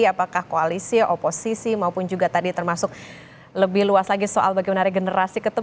apakah koalisi oposisi maupun juga tadi termasuk lebih luas lagi soal bagaimana regenerasi ketum